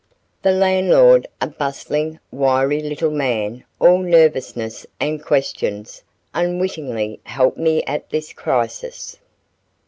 The landlord, a bustling, wiry little man all nervousness and questions, unwittingly helped me at this crisis.